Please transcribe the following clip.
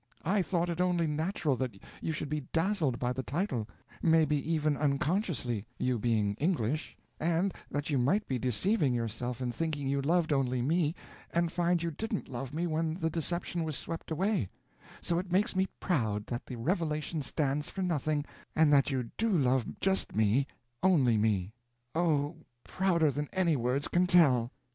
"I thought it only natural that you should be dazzled by the title—maybe even unconsciously, you being English—and that you might be deceiving yourself in thinking you loved only me, and find you didn't love me when the deception was swept away; so it makes me proud that the revelation stands for nothing and that you do love just me, only me—oh, prouder than any words can tell!"